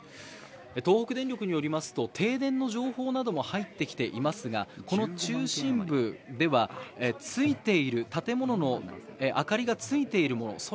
東北電力によりますと停電の情報なども入ってきていますが、中心部では建物の明かりがついているもの